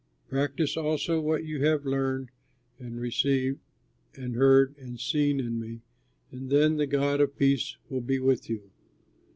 Practise also what you have learned and received and heard and seen in me, and then the God of peace will be with you.